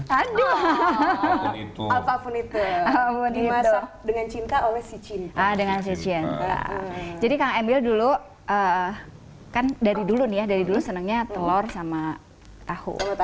apa pun itu apa pun itu dimasak dengan cinta oleh si cinta dengan si cinta jadi kak emil dulu kan dari dulu nih ya dari dulu senangnya telur sama tahu